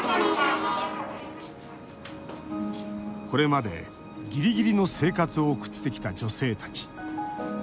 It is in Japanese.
これまで、ギリギリの生活を送ってきた女性たち。